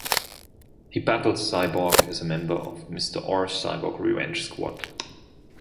He battles Cyborg as a member of Mr. Orr's Cyborg Revenge Squad.